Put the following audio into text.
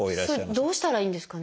それどうしたらいいんですかね？